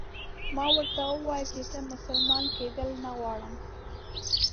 ما ورته وویل چې زه مسلمان کېدل نه غواړم.